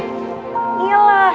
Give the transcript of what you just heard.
aku beli bakso